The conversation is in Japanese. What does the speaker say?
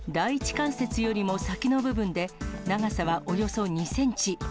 関節よりも先の部分で、長さはおよそ２センチ。